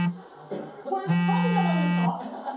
これ、詐欺じゃないですか？